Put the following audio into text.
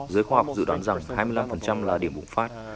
giới khoa học dự đoán rằng hai mươi năm là điểm bùng phát